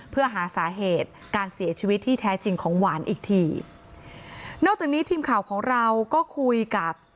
เพื่อหาสาเหตุการเสียชีวิตที่แท้จริงของหวานอีกทีนอกจากนี้ทีมข่าวของเราก็คุยกับ